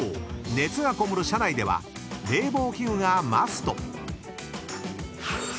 熱がこもる車内では冷房器具がマスト］